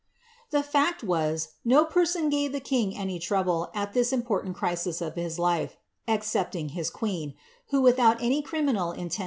The fact was, no person gave the king any trouble, al this imporisri crisis of his life, excepliiig his queen, who without any criminal inier.